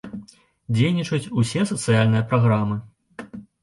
Дзейнічаюць усе сацыяльныя праграмы.